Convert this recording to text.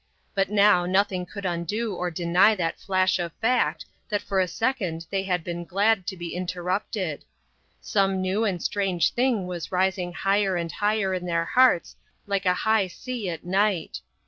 But now nothing could undo or deny that flash of fact, that for a second they had been glad to be interrupted. Some new and strange thing was rising higher and higher in their hearts like a high sea at night.